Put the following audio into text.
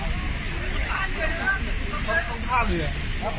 มันต้องไปต่อ